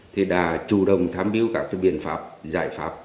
thì đã chủ động thám biếu các biện pháp giải pháp